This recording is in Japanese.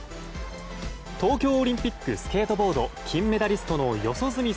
東京オリンピックスケートボード金メダリストの四十住